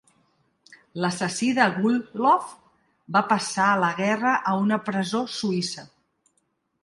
L"assassí de Gustloff va passar la guerra a una presó suïssa.